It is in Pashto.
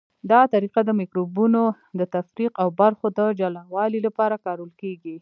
دا طریقه د مکروبونو د تفریق او برخو د جلاوالي لپاره کارول کیږي.